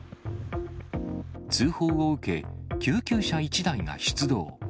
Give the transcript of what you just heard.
通報を受け、救急車１台が出動。